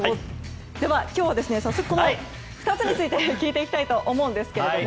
では今日早速この２つについて聞いていきたいと思うんですけれども